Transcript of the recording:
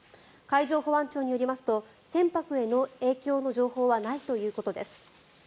海上保安庁によりますと船舶への影響の情報はないということです。